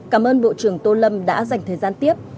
cảm ơn bộ trưởng tô lâm đã dành thời gian tiếp